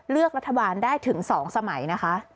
เลือกรัฐบาลได้ถึง๒สมัยนะคะ